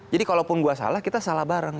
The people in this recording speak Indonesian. jadi kalaupun gue salah kita salah bareng